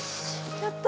やった！